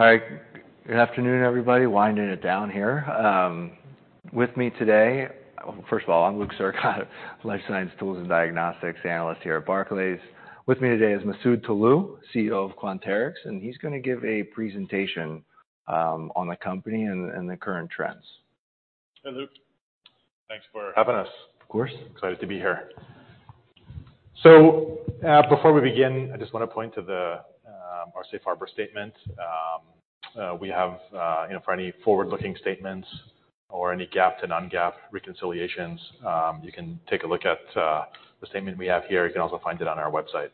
All right. Good afternoon, everybody. Winding it down here. First of all, I'm Luke Sergott, Life Science Tools and Diagnostics analyst here at Barclays. With me today is Masoud Toloue, CEO of Quanterix, he's gonna give a presentation on the company and the current trends. Hey, Luke. Thanks for having us. Of course. Excited to be here. Before we begin, I just wanna point to the, our safe harbor statement. We have, you know, for any forward-looking statements or any GAAP to non-GAAP reconciliations, you can take a look at the statement we have here. You can also find it on our website.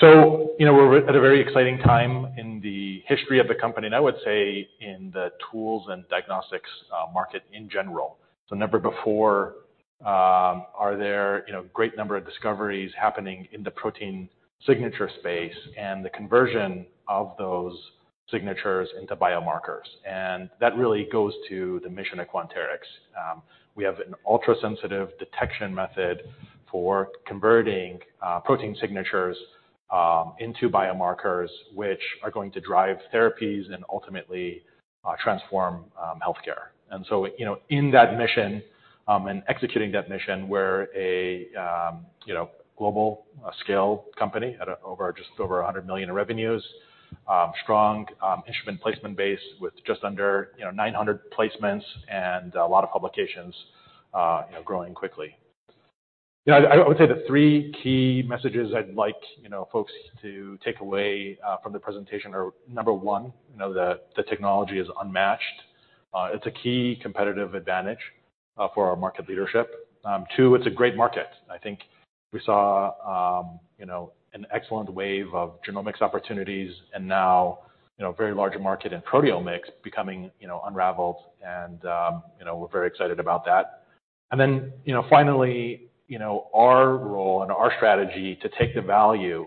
You know, we're at a very exciting time in the history of the company, and I would say in the tools and diagnostics market in general. Never before, are there, you know, great number of discoveries happening in the protein signature space and the conversion of those signatures into biomarkers. That really goes to the mission of Quanterix. We have an ultra-sensitive detection method for converting, protein signatures, into biomarkers, which are going to drive therapies and ultimately, transform healthcare. You know, in that mission, and executing that mission, we're a, you know, global scale company at over, just over $100 million in revenues. Strong instrument placement base with just under, you know, 900 placements and a lot of publications, you know, growing quickly. You know, I would say the three key messages I'd like, you know, folks to take away from the presentation are, number 1, you know, the technology is unmatched. It's a key competitive advantage for our market leadership. Two, it's a great market. I think we saw, you know, an excellent wave of genomics opportunities and now, you know, a very large market in proteomics becoming, you know, unraveled and, you know, we're very excited about that. You know, finally, you know, our role and our strategy to take the value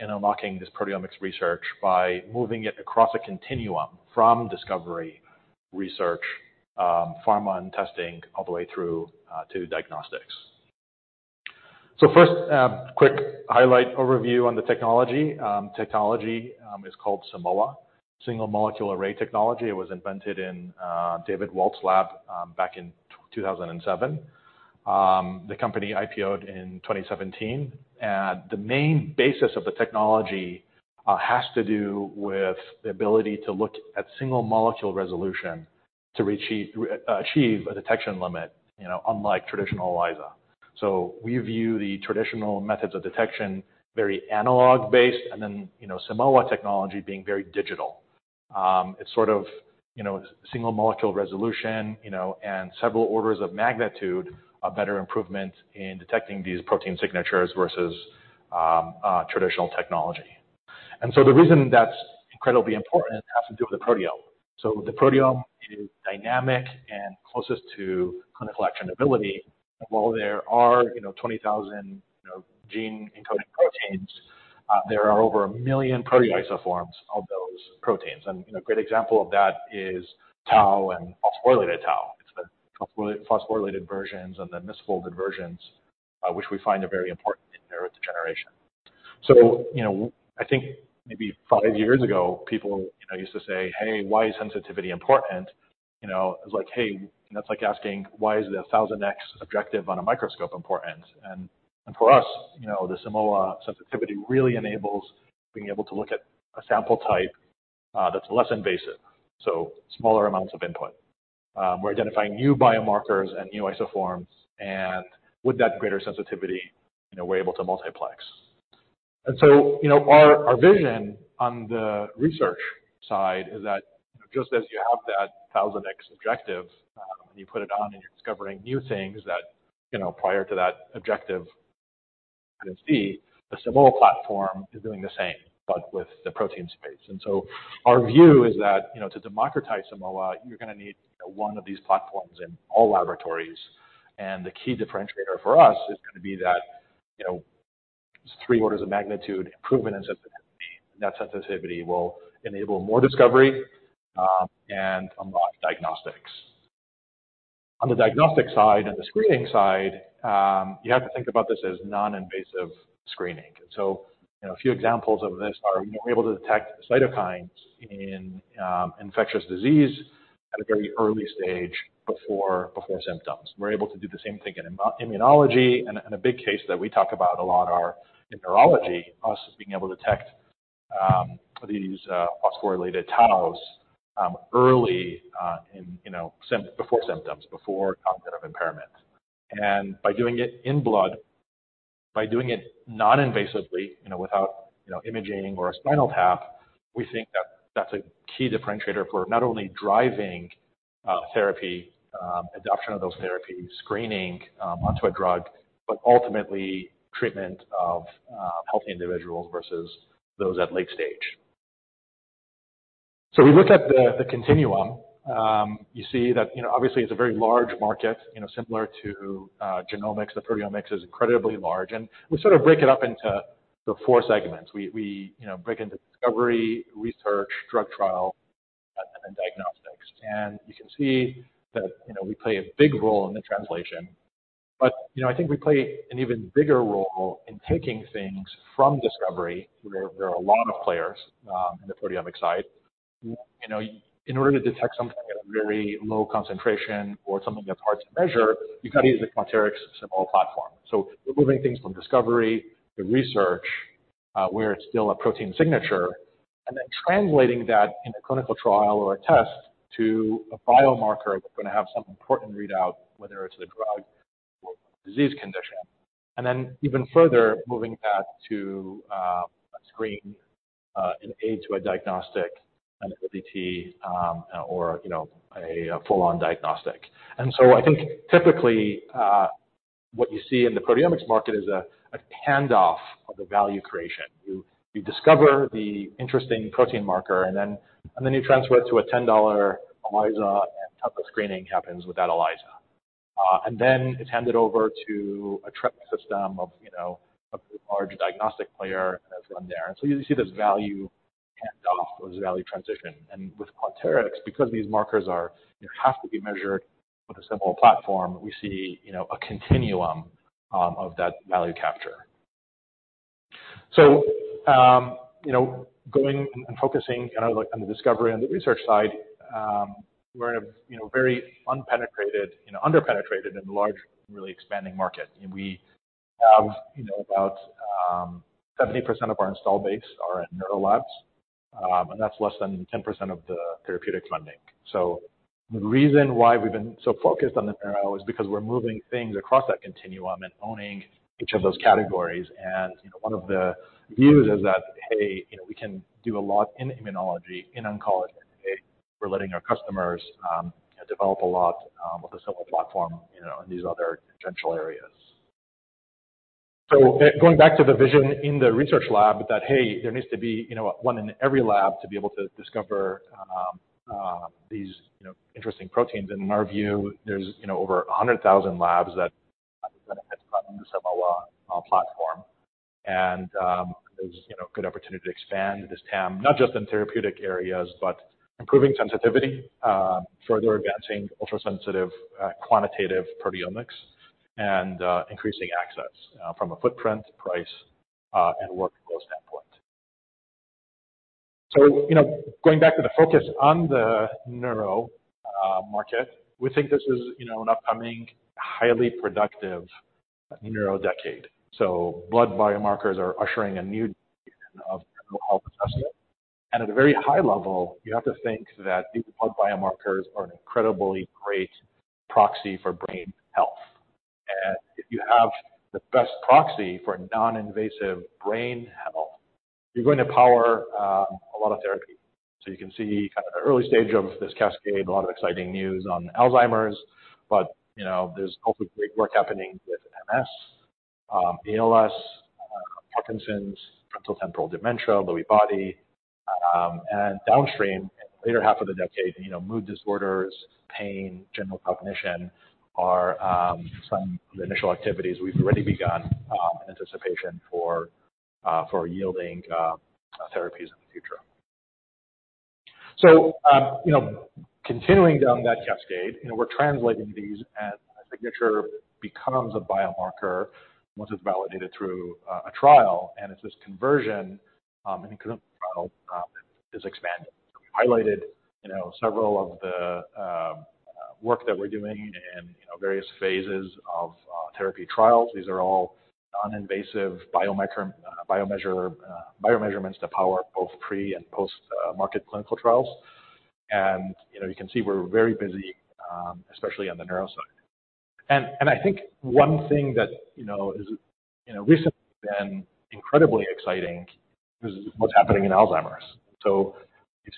in unlocking this proteomics research by moving it across a continuum from discovery, research, pharma and testing, all the way through to diagnostics. First, quick highlight overview on the technology. Technology is called Simoa, single-molecule array technology. It was invented in David Walt's lab back in 2007. The company IPO'd in 2017. The main basis of the technology has to do with the ability to look at single-molecule resolution to achieve a detection limit, you know, unlike traditional ELISA. We view the traditional methods of detection very analog-based, and then, you know, Simoa technology being very digital. It's sort of, you know, single-molecule resolution, you know, and several orders of magnitude, a better improvement in detecting these protein signatures versus traditional technology. The reason that's incredibly important has to do with the proteome. The proteome is dynamic and closest to clinical actionability. While there are, you know, 20,000, you know, gene-encoded proteins, there are over 1 million proteoforms of those proteins. You know, a great example of that is tau and phosphorylated tau. It's the phosphorylated versions and the misfolded versions, which we find are very important in neurodegeneration. You know, I think maybe five years ago, people, you know, used to say, "Hey, why is sensitivity important?" You know, it's like, hey, that's like asking, why is the 1,000x objective on a microscope important? For us, you know, the Simoa sensitivity really enables being able to look at a sample type that's less invasive, so smaller amounts of input. We're identifying new biomarkers and new isoforms, and with that greater sensitivity, you know, we're able to multiplex. You know, our vision on the research side is that, you know, just as you have that 1,000x objective, and you put it on, and you're discovering new things that, you know, prior to that objective couldn't see, the Simoa platform is doing the same, but with the protein space. Our view is that, you know, to democratize Simoa, you're gonna need, you know, one of these platforms in all laboratories. The key differentiator for us is gonna be that, you know, three orders of magnitude improvement in sensitivity, and that sensitivity will enable more discovery and unlock diagnostics. On the diagnostic side and the screening side, you have to think about this as non-invasive screening. You know, a few examples of this are we're able to detect cytokines in infectious disease at a very early stage before symptoms. We're able to do the same thing in immunology. A big case that we talk about a lot are in neurology, us being able to detect these phosphorylated taus early in, you know, before symptoms, before cognitive impairment. By doing it in blood, by doing it non-invasively, you know, without, you know, imaging or a spinal tap, we think that that's a key differentiator for not only driving therapy, adoption of those therapies, screening onto a drug, but ultimately treatment of healthy individuals versus those at late stage. We look at the continuum. You see that, you know, obviously it's a very large market. You know, similar to genomics, the proteomics is incredibly large, and we sort of break it up into the four segments. We, you know, break into discovery, research, drug trial and diagnostics. You can see that, you know, we play a big role in the translation. You know, I think we play an even bigger role in taking things from discovery, where there are a lot of players in the proteomic side. You know, in order to detect something at a very low concentration or something that's hard to measure, you got to use a Quanterix simple platform. We're moving things from discovery to research, where it's still a protein signature, and then translating that in a clinical trial or a test to a biomarker that's going to have some important readout, whether it's the drug or disease condition. Even further moving that to a screen, an aid to a diagnostic, an LDT, or you know, a full-on diagnostic. I think typically, what you see in the proteomics market is a handoff of the value creation. You discover the interesting protein marker, and then you transfer it to a $10 ELISA, and a ton of screening happens with that ELISA. Then it's handed over to a tracking system of, you know, a large diagnostic player that's on there. You see this value handoff or this value transition. With Quanterix, because these markers are, you know, have to be measured with a Simoa platform, we see, you know, a continuum of that value capture. Going and focusing on the discovery and the research side, we're in a, you know, very unpenetrated, you know, under-penetrated and large, really expanding market. We have, you know, about 70% of our installed base are in neuro labs, and that's less than 10% of the therapeutics funding. The reason why we've been so focused on the neuro is because we're moving things across that continuum and owning each of those categories. you know, one of the views is that, hey, you know, we can do a lot in immunology, in oncology. We're letting our customers develop a lot with a simple platform, you know, in these other potential areas. going back to the vision in the research lab that, hey, there needs to be, you know, one in every lab to be able to discover these, you know, interesting proteins. In our view, there's, you know, over 100,000 labs that benefit from the Simoa platform. there's, you know, good opportunity to expand this TAM, not just in therapeutic areas, but improving sensitivity, further advancing ultrasensitive, quantitative proteomics, and increasing access from a footprint, price, and workflow standpoint. You know, going back to the focus on the neuro market, we think this is, you know, an upcoming highly productive neuro decade. Blood biomarkers are ushering a new generation of neuro health assessment. At a very high level, you have to think that these blood biomarkers are an incredibly great proxy for brain health. If you have the best proxy for non-invasive brain health, you're going to power a lot of therapy. You can see kind of the early stage of this cascade, a lot of exciting news on Alzheimer's, but, you know, there's hopefully great work happening with MS, ALS, Parkinson's, frontotemporal dementia, Lewy body. Downstream, later half of the decade, you know, mood disorders, pain, general cognition are some of the initial activities we've already begun in anticipation for yielding therapies in the future. You know, continuing down that cascade, you know, we're translating these as a signature becomes a biomarker once it's validated through a trial. It's this conversion in a clinical trial is expanding. We highlighted, you know, several of the work that we're doing in, you know, various phases of therapy trials. These are all non-invasive biomeasurements to power both pre and post-market clinical trials. You know, you can see we're very busy, especially on the neuro side. I think one thing that, you know, has, you know, recently been incredibly exciting is what's happening in Alzheimer's. You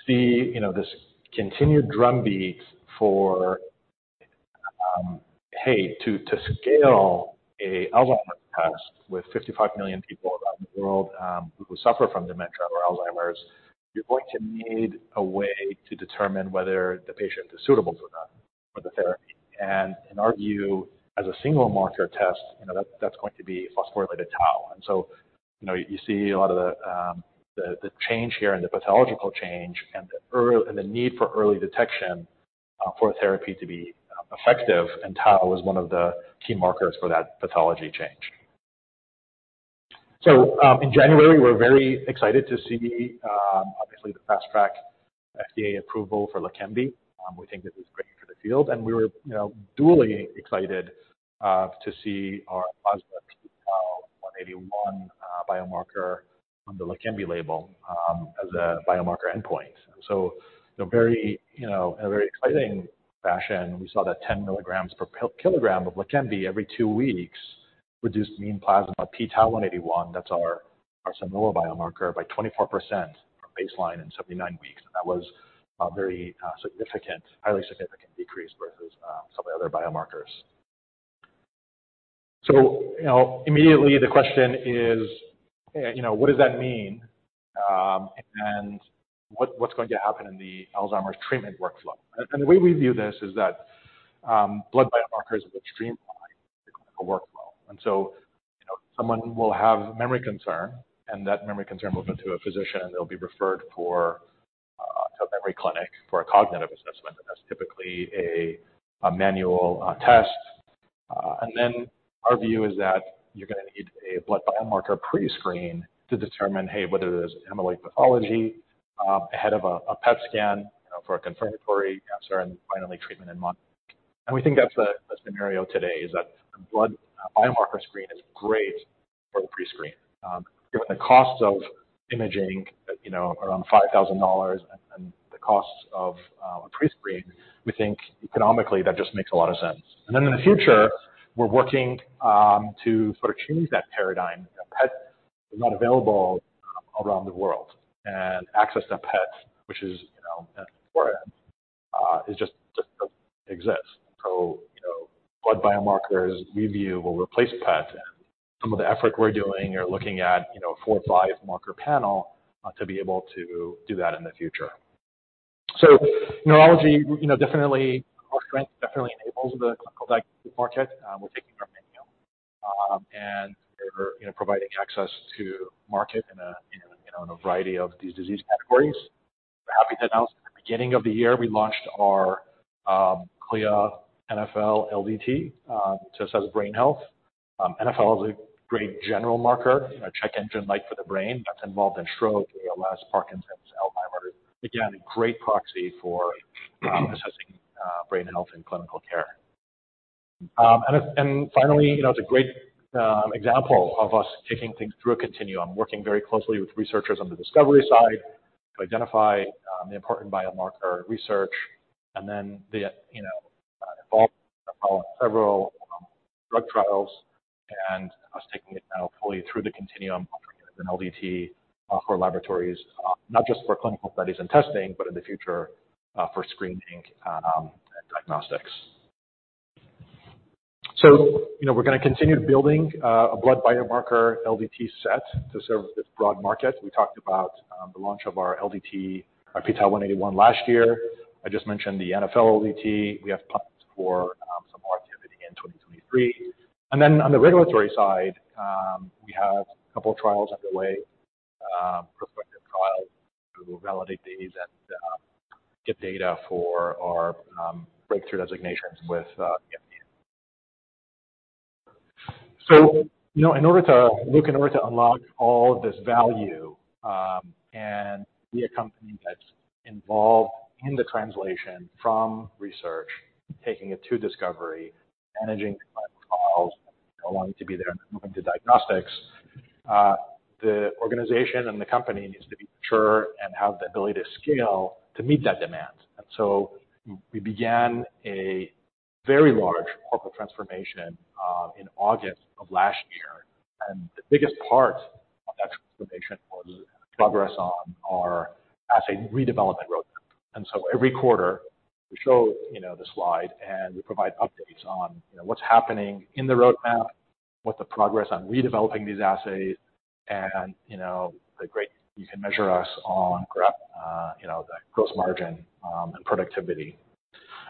see, you know, this continued drumbeat for, hey, to scale a Alzheimer's test with 55 million people around the world, who suffer from dementia or Alzheimer's, you're going to need a way to determine whether the patient is suitable or not for the therapy. In our view, as a single marker test, you know, that's going to be phosphorylated tau. So, you know, you see a lot of the, the change here and the pathological change and the need for early detection, for therapy to be effective, and tau is one of the key markers for that pathology change. In January, we're very excited to see, obviously the fast-track FDA approval for Leqembi. We think this is great for the field. We were, you know, duly excited to see our plasma p-tau 181 biomarker on the Leqembi label as a biomarker endpoint. You know, very, you know, in a very exciting fashion, we saw that 10 milligrams per kilogram of Leqembi every two weeks reduced mean plasma p-tau 181, that's our Simoa biomarker, by 24% from baseline in 79 weeks. That was a very significant, highly significant decrease versus some of the other biomarkers. You know, immediately the question is, you know, what does that mean? What's going to happen in the Alzheimer's treatment workflow? The way we view this is that blood biomarkers are the streamline a workflow. You know, someone will have a memory concern, and that memory concern will go to a physician, and they'll be referred for to a memory clinic for a cognitive assessment. That's typically a manual test. Our view is that you're gonna need a blood biomarker pre-screen to determine, hey, whether there's amyloid pathology ahead of a PET scan, you know, for a confirmatory answer and finally treatment and monitoring. We think that's the scenario today is that a blood biomarker screen is great for the pre-screen. Given the cost of imaging at, you know, around $5,000 and the cost of a pre-screen, we think economically that just makes a lot of sense. In the future, we're working to sort of change that paradigm. A PET is not available around the world, access to PET, which is, you know, 4M, it just doesn't exist. You know, blood biomarkers, we view, will replace PET. Some of the effort we're doing are looking at, you know, a four or five marker panel to be able to do that in the future. Neurology, you know, definitely, Our strength definitely enables the clinical diagnostic market with taking our menu. We're, you know, providing access to market in a, you know, in a variety of these disease categories. We're happy to announce at the beginning of the year, we launched our CLIA NfL LDT to assess brain health. NfL is a great general marker, you know, check engine light for the brain that's involved in stroke, ALS, Parkinson's, Alzheimer's. A great proxy for assessing brain health in clinical care. Finally, you know, it's a great example of us taking things through a continuum, working very closely with researchers on the discovery side to identify the important biomarker research and then the, you know, involvement of several drug trials and us taking it now fully through the continuum, offering it as an LDT for laboratories, not just for clinical studies and testing, but in the future for screening and diagnostics. You know, we're gonna continue building a blood biomarker LDT set to serve this broad market. We talked about the launch of our LDT, our p-tau 181 last year. I just mentioned the NfL LDT. We have plans for some more activity in 2023. On the regulatory side, we have a couple of trials underway, prospective trials to validate these and get data for our Breakthrough Device designations with the FDA. You know, look, in order to unlock all of this value, and be a company that's involved in the translation from research, taking it to discovery, managing clinical trials, you know, wanting to be there and then moving to diagnostics, the organization and the company needs to be mature and have the ability to scale to meet that demand. We began a very large corporate transformation in August of last year. The biggest part of that transformation was the progress on our assay redevelopment roadmap. Every quarter we show, you know, the slide, and we provide updates on, you know, what's happening in the roadmap, what the progress on redeveloping these assays and, you know, the gross margin and productivity.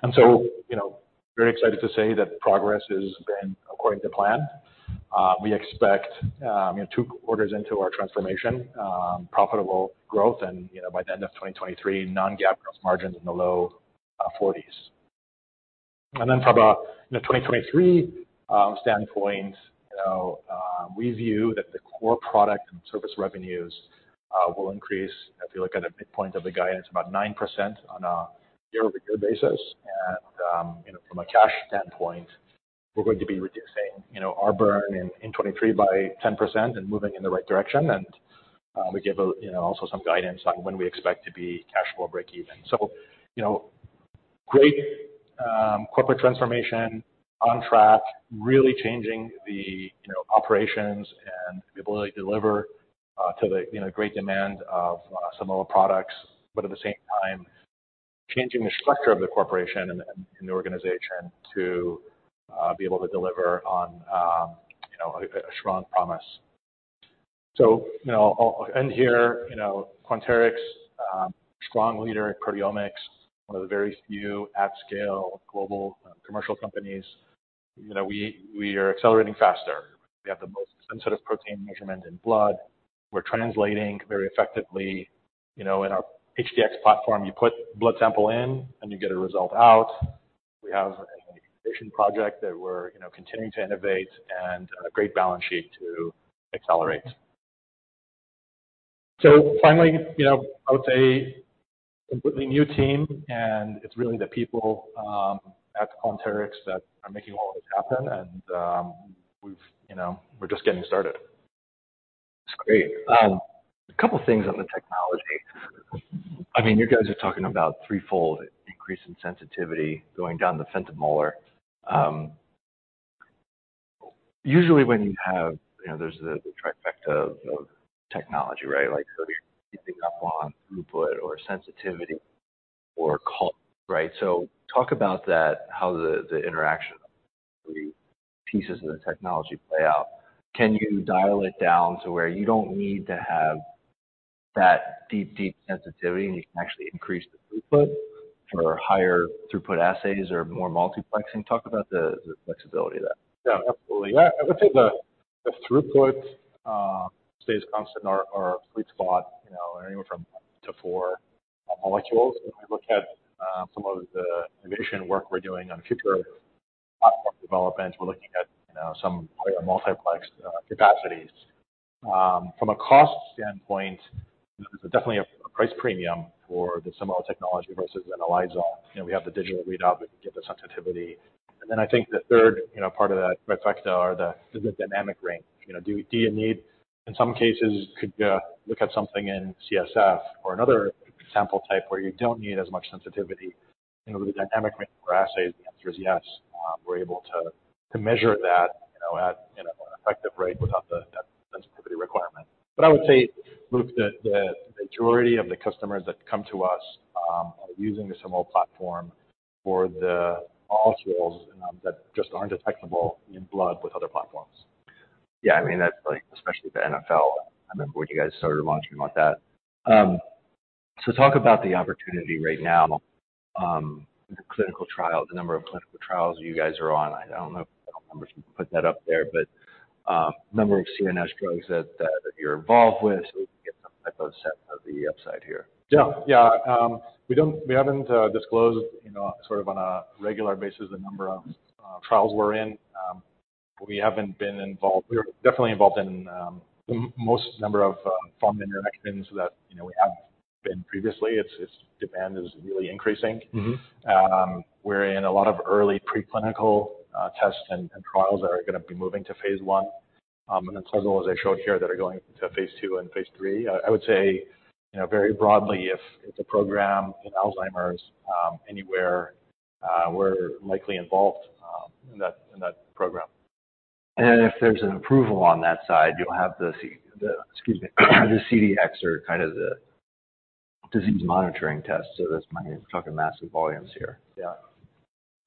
You know, very excited to say that progress has been according to plan. We expect, you know, two quarters into our transformation, profitable growth and, you know, by the end of 2023, non-GAAP gross margins in the low forties. From a, you know, 2023 standpoint, you know, we view that the core product and service revenues will increase. If you look at the midpoint of the guidance, about 9% on a year-over-year basis. From a cash standpoint, you know, we're going to be reducing, you know, our burn in 2023 by 10% and moving in the right direction. We give a, you know, also some guidance on when we expect to be cash flow breakeven. You know, great corporate transformation on track, really changing the, you know, operations and the ability to deliver to the, you know, great demand of some of our products, but at the same time, changing the structure of the corporation and the organization to be able to deliver on, you know, a strong promise. You know, I'll end here. You know, Quanterix, strong leader in proteomics, one of the very few at scale global commercial companies. You know, we are accelerating faster. We have the most sensitive protein measurement in blood. We're translating very effectively. You know, in our HD-X platform, you put blood sample in, and you get a result out. We have an innovation project that we're, you know, continuing to innovate and a great balance sheet to accelerate. Finally, you know, I would say completely new team, and it's really the people at Quanterix that are making all of this happen. You know, we're just getting started. That's great. A couple of things on the technology. I mean, you guys are talking about 3-fold increase in sensitivity going down to femtomolar. Usually when you have. You know, there's the trifecta of technology, right? Like, so you're keeping up on throughput or sensitivity or cost, right? Talk about that, how the interaction of the three pieces of the technology play out. Can you dial it down to where you don't need to have that deep, deep sensitivity, and you can actually increase the throughput for higher throughput assays or more multiplexing. Talk about the flexibility of that. Absolutely. I would say the throughput stays constant or fleets a lot, you know, anywhere from one to four molecules. If we look at some of the innovation work we're doing on future platform developments, we're looking at, you know, some quite multiplex capacities. From a cost standpoint, there's definitely a price premium for the Simoa technology versus an ELISA. You know, we have the digital readout, we can get the sensitivity. I think the third, you know, part of that trifecta is the dynamic range. You know, do you need? In some cases, could look at something in CSF or another sample type where you don't need as much sensitivity, you know, the dynamic range for assays. The answer is yes. We're able to measure that, you know, at, in an effective rate without the, that sensitivity requirement. I would say, Luke, that the majority of the customers that come to us are using the Simoa platform for the molecules that just aren't detectable in blood with other platforms. Yeah. I mean, that's like, especially the NfL. I remember when you guys started launching like that. Talk about the opportunity right now, the clinical trial, the number of clinical trials you guys are on. I don't know if you put that up there, number of CNS drugs that you're involved with, we can get some type of sense of the upside here. Yeah. Yeah. We haven't disclosed, you know, sort of on a regular basis the number of trials we're in. We are definitely involved in the most number of funding mechanisms that, you know, we have been previously. It's demand is really increasing. Mm-hmm. We're in a lot of early preclinical tests and trials that are gonna be moving to phase I. Several, as I showed here, that are going to phase II and phase III. I would say, you know, very broadly, if it's a program in Alzheimer's, anywhere, we're likely involved in that program. If there's an approval on that side, you'll have the, excuse me, the CDX or kind of the disease monitoring test. That's why you're talking massive volumes here. Yeah.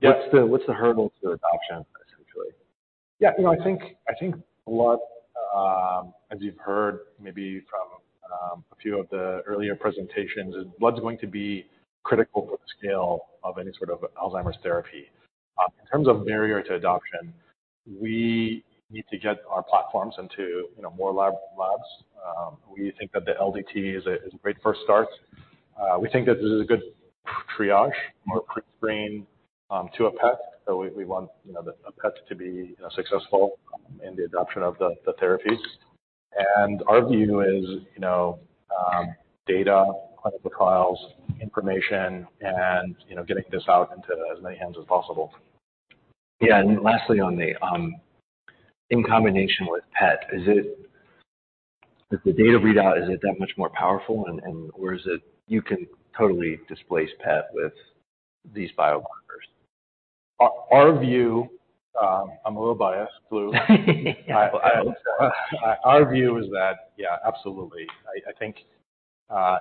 Yeah. What's the hurdle? To adoption, essentially. Yeah. You know, I think a lot, as you've heard maybe from a few of the earlier presentations is blood's going to be critical for the scale of any sort of Alzheimer's therapy. In terms of barrier to adoption, we need to get our platforms into, you know, more labs. We think that the LDT is a great first start. We think that this is a good triage or prescreen to a PET. We want, you know, a PET to be, you know, successful in the adoption of the therapies. Our view is, you know, data, clinical trials, information, and, you know, getting this out into as many hands as possible. Yeah. Lastly on the, in combination with PET, With the data readout, is it that much more powerful and or is it you can totally displace PET with these biomarkers? Our view, I'm a little biased, Luke. Yeah. Our view is that, yeah, absolutely. I think,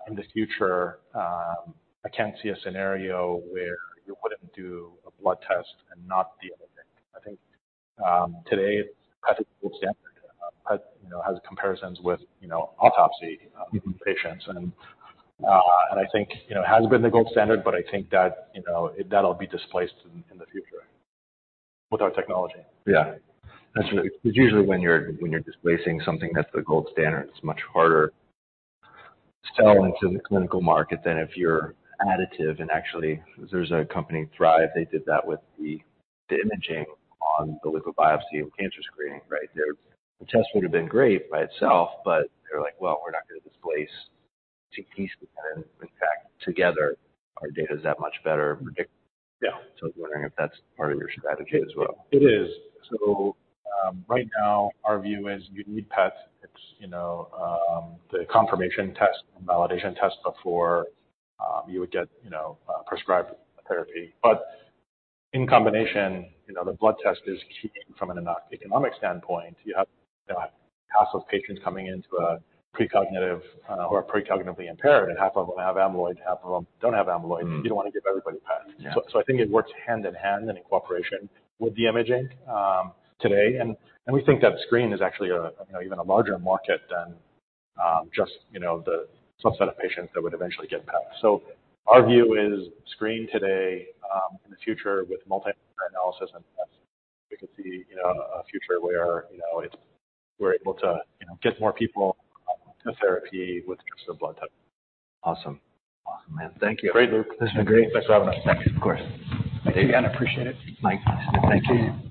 in the future, I can't see a scenario where you wouldn't do a blood test and not the other thing. I think, today PET is the gold standard. PET, you know, has comparisons with, you know, autopsy- Mm-hmm. patients. I think, you know, it has been the gold standard, but I think that, you know, that'll be displaced in the future with our technology. Yeah. That's what... 'cause usually when you're displacing something that's the gold standard, it's much harder to sell into the clinical market than if you're additive. Actually, there's a company, Thrive, they did that with the imaging on the liquid biopsy and cancer screening, right? The test would've been great by itself, they're like, "Well, we're not gonna displace TC then. In fact, together our data is that much better and predictive. Yeah. I was wondering if that's part of your strategy as well. It is. Right now our view is you need PET. It's, you know, the confirmation test and validation test before, you would get, you know, prescribed a therapy. In combination, you know, the blood test is key from an eco-economic standpoint. You have, you know, half of patients coming into a pre-cognitive, or are cognitively impaired, and half of them have amyloid, half of them don't have amyloid. Mm. You don't wanna give everybody PET. Yeah. I think it works hand in hand and in cooperation with the imaging today. We think that screen is actually a, you know, even a larger market than, just, you know, the subset of patients that would eventually get PET. Our view is screen today, in the future with multi-analyte and PET. We could see, you know, a future where, you know, it's we're able to, you know, get more people to therapy with just a blood test. Awesome. Awesome, man. Thank you. Great, Luke. This has been great. Thanks for having us. Thanks. Of course. Thank you again. Appreciate it. My pleasure. Thank you.